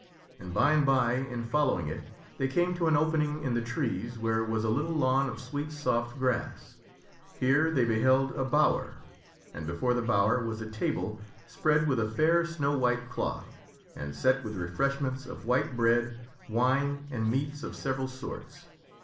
And by and by in follow ing it they came to an opening in the trees where was a little lawn of sweet soft grass. Here they beheld a bower and before the bower was a table spread with a fair snow white cloth, and set ^n^A^thur with refreshments of white bread, wine, and meats of several follow a white sorts.